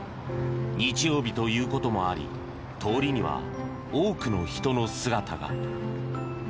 日曜日ということもあり通りには多くの人の姿が。